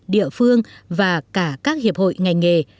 địa phương và cả các hiệp hội ngành nghề